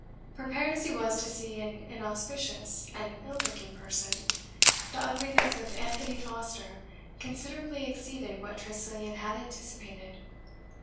Prepared as he was to see an inauspicious and ill looking person, the ugliness of Anthony Foster considerably exceeded what Tressilian had anticipated.